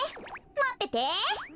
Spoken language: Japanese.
まってて。